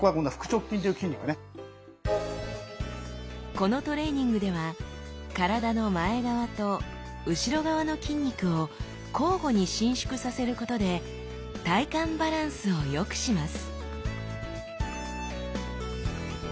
このトレーニングでは体の前側と後ろ側の筋肉を交互に伸縮させることで体幹バランスをよくします